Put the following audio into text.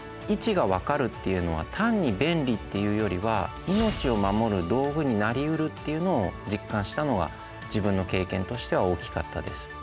位置が分かるっていうのは単に便利っていうよりは命を守る道具になりうるっていうのを実感したのが自分の経験としては大きかったです。